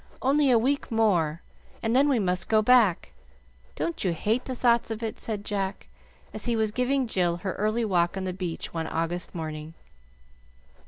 Only a week more, and then we must go back. Don't you hate the thoughts of it?" said Jack, as he was giving Jill her early walk on the beach one August morning.